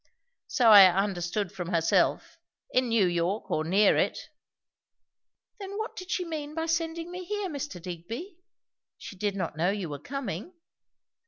"So I understood from herself In New York or near it." "Then what did she mean by sending me here, Mr. Digby? She did not know you were coming."